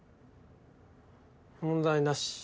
問題なし。